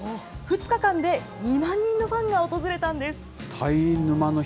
２日間で２万人のファンが訪れたんです。